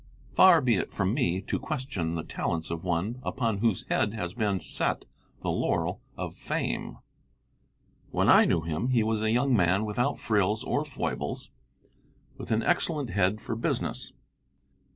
Far be it from me to question the talents of one upon whose head has been set the laurel of fame! When I knew him he was a young man without frills or foibles, with an excellent head for business.